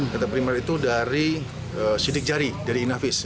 data primer itu dari sidik jari dari inavis